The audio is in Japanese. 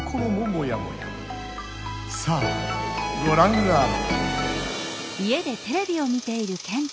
さあごらんあれ！